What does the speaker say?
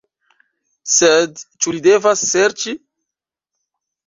Sed ĉu li devas serĉi?